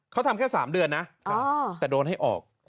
เขาทำแค่๓เดือนนะแต่โดนให้ออก